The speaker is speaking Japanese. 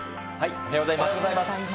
おはようございます。